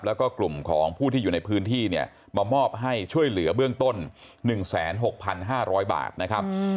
แล้วก็กลุ่มของผู้ที่อยู่ในพื้นที่เนี่ยมามอบให้ช่วยเหลือเบื้องต้น๑๖๕๐๐บาทนะครับ